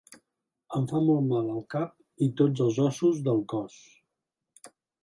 Em fa molt mal el cap i tots els ossos del cos.